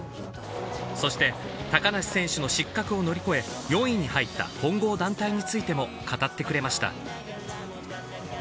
そして、高梨選手の失格を乗り越え、４位に入った混合団体についても語ってくれました。